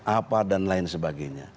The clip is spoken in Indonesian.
apa dan lain sebagainya